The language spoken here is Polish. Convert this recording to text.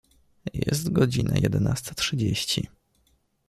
Jest godzina jedenasta trzydzieści.